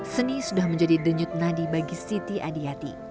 seni sudah menjadi denyut nadi bagi siti adi